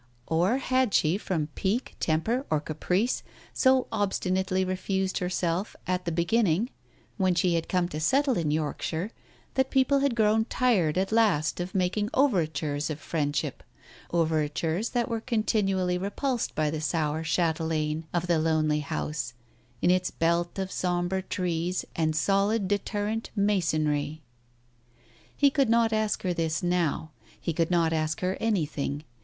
Or had she from pique, temper or caprice, so obstinately refused herself at the beginning, when first she had come to settle in Yorkshire, that people had grown tired at last of making overtures of friendship ; overtures that were con tinually repulsed by the sour chatelaine of the lonely house, in its belt of sombre trees and solid deterrent masonry. He could not ask her this now, he could not ask her anything.